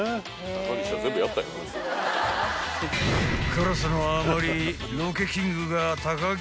［辛さのあまり］